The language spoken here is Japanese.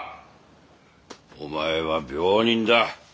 お前は病人だ。